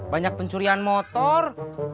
banyak pencurian motor